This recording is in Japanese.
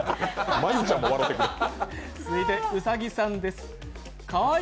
真悠ちゃんも笑ってくれへん。